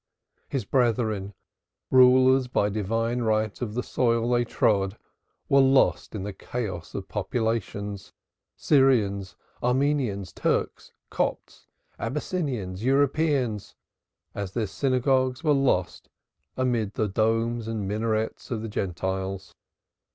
His brethren, rulers by divine right of the soil they trod, were lost in the chaos of populations Syrians, Armenians, Turks, Copts, Abyssinians, Europeans as their synagogues were lost amid the domes and minarets of the Gentiles.